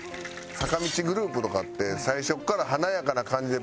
坂道グループとかって最初から華やかな感じでバチーン！